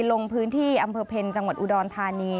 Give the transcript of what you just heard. ลงพื้นที่อำเภอเพ็ญจังหวัดอุดรธานี